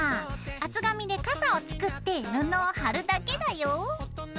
厚紙で傘を作って布を貼るだけだよ。